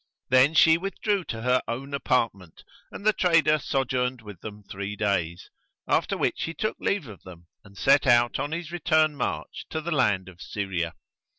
Then she withdrew to her own apartment and the trader sojourned with them three days, after which he took leave of them and set out on his return march to the land of Syria.